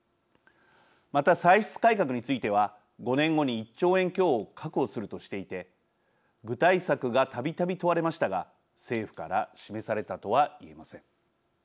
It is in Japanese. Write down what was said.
また歳出改革については５年後に１兆円強を確保するとしていて具体策がたびたび問われましたが政府から示されたとは言えません。